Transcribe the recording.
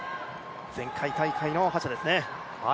前回大会の覇者ですね。